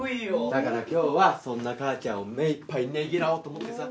だから今日はそんな母ちゃんを目いっぱいねぎらおうと思ってさ。